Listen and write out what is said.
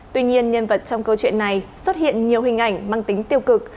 tuy nhiên nhân vật trong câu chuyện này xuất hiện nhiều hình ảnh mang tính tiêu cực